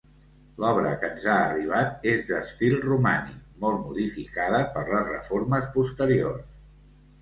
L'obra que ens ha arribat és d'estil romànic, molt modificada per les reformes posteriors.